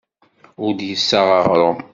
Ur d-yessaɣ aɣrum.